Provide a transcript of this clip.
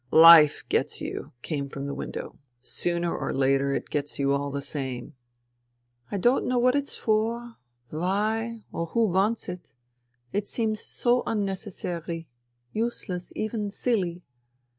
" Life gets you," came from the window ;" sooner or later it gets you all the same." " I don't know what it's for, why, or who wants it. It seems so unnecessary, useless, even silly.